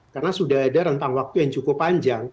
karena sudah ada rentang waktu yang cukup panjang